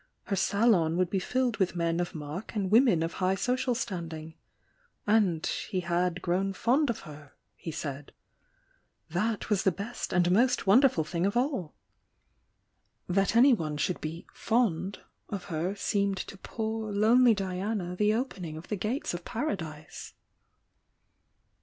Her salon would be filled with men of mark and women of high social standing. And he "had grown fond of her" he said. That was the best and most wonderful thing of all! "That anyone should be "fond" of her seemed to poor, lonely Diana the opening of the gates of Paradise.